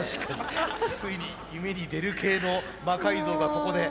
ついに夢に出る系の魔改造がここで。